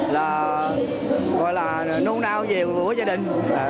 là gọi là nuôn đau về của gia đình